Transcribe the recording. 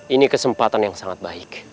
ini kesempatan yang sangat baik